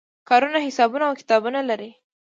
کارونه حسابونه او کتابونه لري.